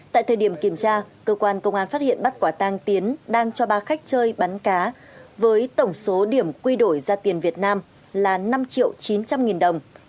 tại thời điểm kiểm tra cơ quan công an phát hiện bắt quả tang tiến đang cho ba khách chơi bắn cá với tổng số điểm quy đổi ra tiền việt nam là năm triệu chín trăm linh nghìn đồng